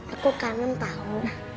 aku kanan tahu